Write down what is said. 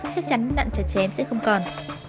chắc chắn nặn chặt chém sẽ không còn